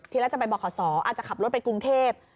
แรกจะไปบอกขอสออาจจะขับรถไปกรุงเทพ